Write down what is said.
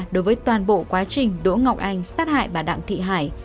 đối với toàn bộ quá trình đỗ ngọc anh sát hại bà đặng thị hải